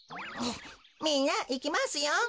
みんないきますよ。